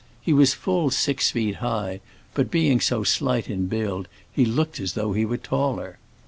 He was full six feet high, but being so slight in build, he looked as though he were taller.